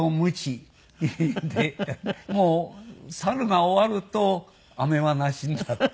もう猿が終わるとアメはなしになって。